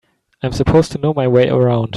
I'm supposed to know my way around.